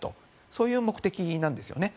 そういう目的なんですね。